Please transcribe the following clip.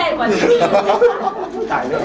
ต้องใหญ่กว่านี้